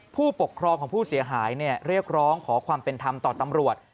ผู้ปกครองของผู้เสียหายเรียกร้องขอความเป็นธรรมต่อตำรวจ